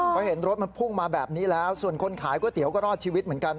เพราะเห็นรถมันพุ่งมาแบบนี้แล้วส่วนคนขายก๋วยเตี๋ยวก็รอดชีวิตเหมือนกัน